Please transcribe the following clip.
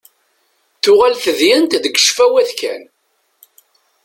Tuɣal tedyant deg ccfawat kan.